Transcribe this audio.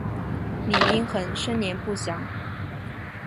李殷衡生年不详。